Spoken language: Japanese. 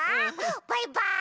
バイバーイ！